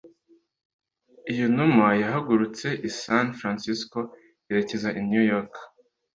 Iyo numa yahagurutse i San Francisco yerekeza i New York